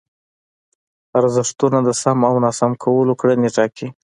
ارزښتونه د سم او ناسم کولو کړنې ټاکي.